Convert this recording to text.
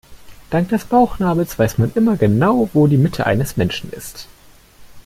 Dank des Bauchnabels weiß man immer genau, wo die Mitte eines Menschen ist.